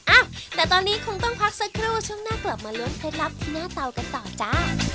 อ่ะแต่ตอนนี้คงต้องพักสักครู่ช่วงหน้ากลับมาล้วนเคล็ดลับที่หน้าเตากันต่อจ้า